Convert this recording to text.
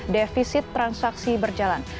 devisit transaksi berjalan